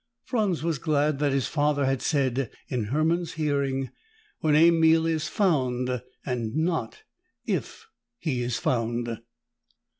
Franz was glad that his father had said, in Hermann's hearing, "when Emil is found," and not, "if he is found."